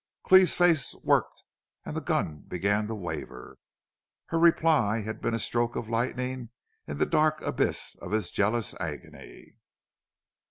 Cleve's face worked and the gun began to waver. Her reply had been a stroke of lightning into the dark abyss of his jealous agony.